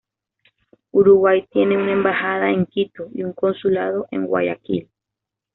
Uruguay tiene una embajada en Quito y un consulado en Guayaquil.